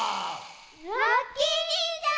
ラッキィにんじゃ！